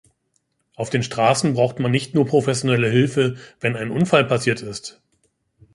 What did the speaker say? Auf den Straßen braucht man nicht nur professionelle Hilfe, wenn ein Unfall passiert ist.